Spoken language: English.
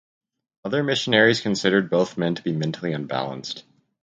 Other missionaries considered both men to be "mentally unbalanced".